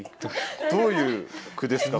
どういう句ですか？